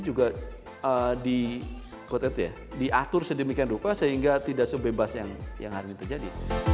juga di kode dia diatur sedemikian rupa sehingga tidak sebebas yang yang hari terjadi